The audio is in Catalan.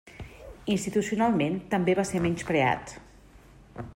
Institucionalment també va ser menyspreat.